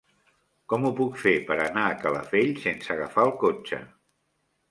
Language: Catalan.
Com ho puc fer per anar a Calafell sense agafar el cotxe?